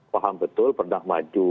paham betul pernah maju